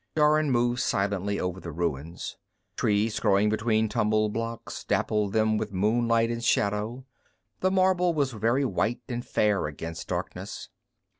_ Jorun moved silently over the ruins. Trees growing between tumbled blocks dappled them with moonlight and shadow; the marble was very white and fair against darkness.